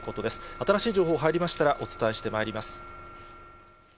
新しい情報、入りましたらお伝えしてまいります。